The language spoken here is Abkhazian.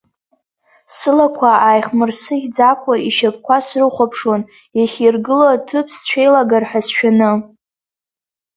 Сылақәа ааихмырсыӷьӡакәа ишьапқәа срыхәаԥшуан, иахьиргыло аҭыԥ сцәеилагар ҳәа сшәаны…